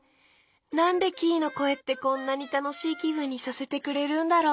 なんでキイのこえってこんなにたのしいきぶんにさせてくれるんだろう。